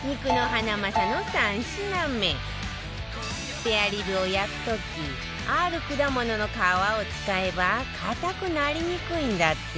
スペアリブを焼く時ある果物の皮を使えば硬くなりにくいんだって